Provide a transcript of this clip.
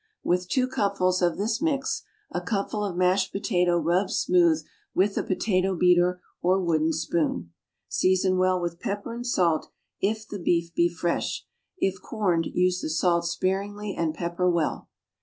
With two cupfuls of this mix a cupful of mashed potato rubbed smooth with a potato beater or wooden spoon. Season well with pepper and salt if the beef be fresh, if corned use the salt sparingly and pepper well.